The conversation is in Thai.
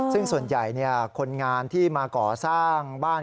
ซึ่งส่วนใหญ่คนงานที่มาก่อสร้างบ้าน